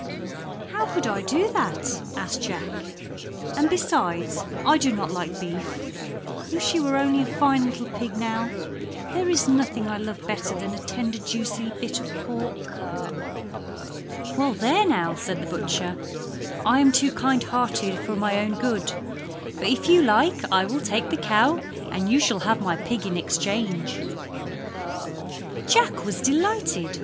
"How could I do that?" asked Jack. "And besides I do not like beef. If she were only a fine little pig, now! There is nothing I love better than a tender juicy bit of pork." "Well, there now!" said the butcher. "I am too kind hearted for my own good, but if you like I will take the cow and you shall have my pig in exchange." Jack was delighted.